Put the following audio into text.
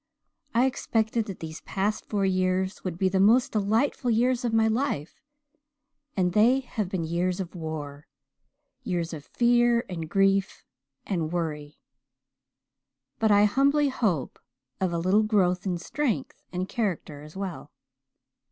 I expected that these past four years would be the most delightful years of my life and they have been years of war years of fear and grief and worry but I humbly hope, of a little growth in strength and character as well.